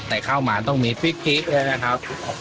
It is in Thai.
แต่ข้าวหมาต้องมีพริกเลยนะครับ